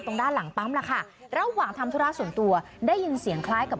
ด้านหลังปั๊มล่ะค่ะระหว่างทำธุระส่วนตัวได้ยินเสียงคล้ายกับ